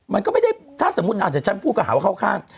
มันก็ไม่ได้ถ้าสมมุติอาจจะฉันพูดก็หาว่าเข้าข้าง